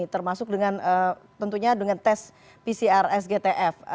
termasuk dengan tentunya dengan tes pcr sgtf